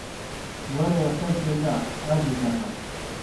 وەرەوە سەر جێگا، ئازیزەکەم.